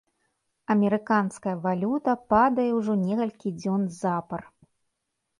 Амерыканская валюта падае ўжо некалькі дзён запар.